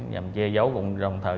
nhằm che giấu cùng rồng thờ